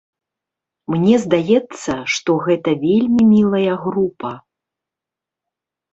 Мне здаецца, што гэта вельмі мілая група.